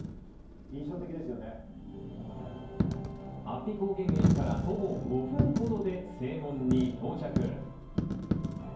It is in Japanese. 安比高原駅から徒歩５分ほどで正門に到着。